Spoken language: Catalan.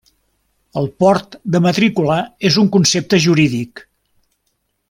El port de matrícula és un concepte jurídic.